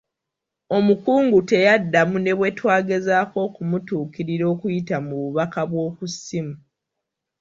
Omukungu teyaddamu ne bwe twagezaako okumutuukirira okuyita mu bubaka bw'oku ssimu.